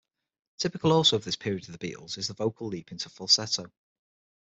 Typical also of this period of the Beatles is the vocal leap into falsetto.